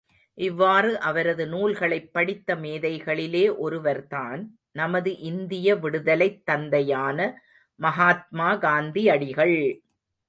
இவ்வாறு அவரது நூல்களைப் படித்த மேதைகளிலே ஒருவர்தான் நமது இந்திய விடுதலைத் தந்தையான மகாத்மா காந்தியடிகள்!